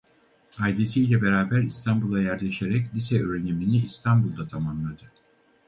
Ailesiyle beraber İstanbul'a yerleşerek lise öğrenimini İstanbul'da tamamladı.